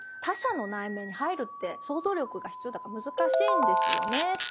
他者の内面に入るって想像力が必要だから難しいんですよね。